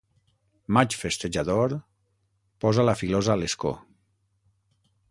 Maig festejador, posa la filosa a l'escó.